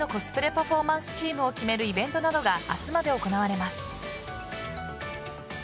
パフォーマンスチームを決めるイベントなどが明日まで行われます。